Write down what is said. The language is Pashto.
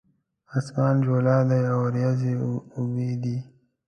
اسمان جولا دی اوریځې اوبدي